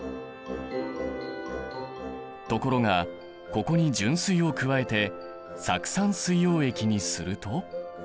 ところがここに純水を加えて酢酸水溶液にすると。